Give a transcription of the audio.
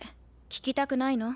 聞きたくないの？